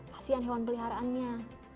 kasian hewan peliharaannya